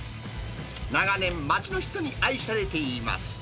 長年、街の人に愛されています。